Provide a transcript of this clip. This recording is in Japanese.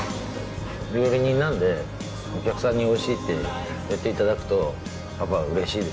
料理人なんで、お客さんにおいしいって言っていただくと、やっぱうれしいです。